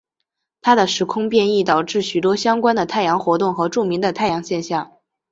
他的时空变异导致许多相关的太阳活动和著名的太阳现象。